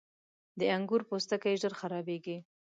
• د انګور پوستکی ژر خرابېږي.